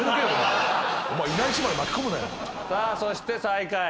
さあそして最下位。